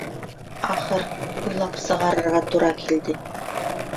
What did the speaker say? Ахыр, уйлап сығарырға тура килде.